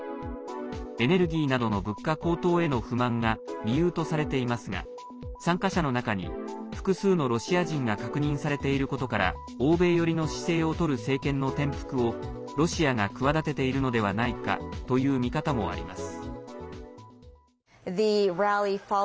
エネルギーなどの物価高騰への不満が理由とされていますが参加者の中に複数のロシア人が確認されていることから欧米寄りの姿勢をとる政権の転覆をロシアが企てているのではないかという見方もあります。